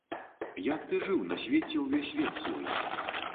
Як ты жыў на свеце ўвесь век свой?